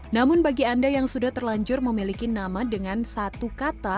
namun bagi anda yang sudah terlanjur memiliki nama dengan satu kata